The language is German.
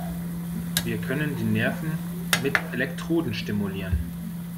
Wir können die Nerven mit Elektroden stimulieren.